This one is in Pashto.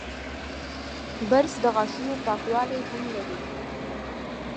رس د غاښونو پاکوالی هم لري